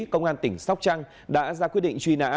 công an tỉnh sóc trăng đã ra quyết định truy nã